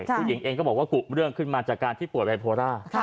ผู้หญิงเองก็บอกว่ากุเรื่องขึ้นมาจากการที่ป่วยไบโพล่า